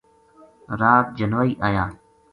رات جنوائی آیا